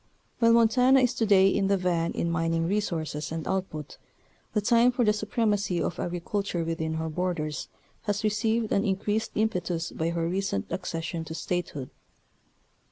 While Mon tana is to day in the van in mining resources and output, the time for the supremacy of agriculture within her borders has received an increased impetus by her recent accession to State hood.